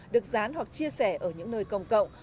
được dán hoặc chia sẻ ở những nơi công cộng